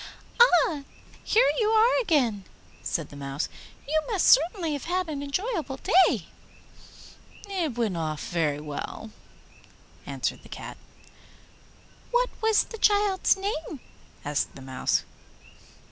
'Ah, here you are again!' said the Mouse; 'you must certainly have had an enjoyable day.' 'It went off very well,' answered the Cat. 'What was the child's name?' asked the Mouse.